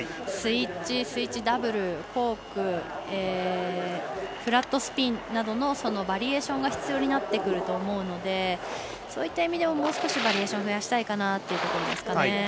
スイッチ、スイッチ、ダブルコーク、フラットスピンなどのバリエーションが必要になってくるのでそういった意味ではもう少しバリエーション増やしたいかなと思いますね。